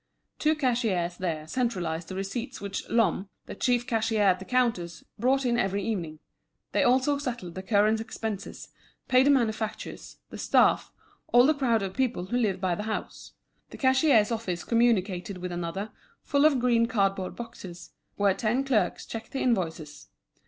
Two cashiers there centralised the receipts which Lhomme, the chief cashier at the counters, brought in every evening; they also settled the current expenses, paid the manufacturers, the staff, all the crowd of people who lived by the house. The cashiers' office communicated with another, full of green cardboard boxes, where ten clerks checked the invoices.